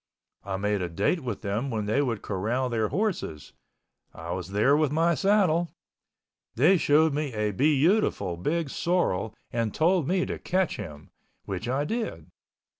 I made a date with them when they would corral their horses. I was there with my saddle. They showed me a beautiful big sorrel and told me to catch him, which I did.